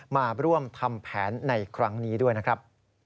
มาร่วมทำแผนในครั้งนี้ด้วยนะครับ